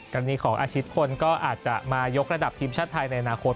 กรณีของอาชิตคนก็อาจจะมายกระดับทีมชาติไทยในอนาคต